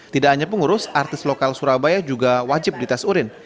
tidak hanya pengurus artis lokal surabaya juga wajib dites urin